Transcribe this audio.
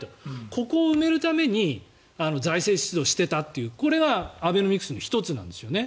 ここを埋めるために財政出動していたというこれがアベノミクスの１つなんですよね。